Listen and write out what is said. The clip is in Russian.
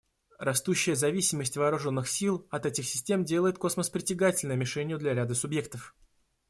Растущая зависимость вооруженных сил от этих систем делает космос притягательной мишенью для ряда субъектов.